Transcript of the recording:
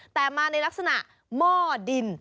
แต่มาในลักษณะหม้อดิน